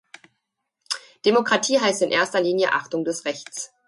Demokratie heißt in erster Linie Achtung des Rechts.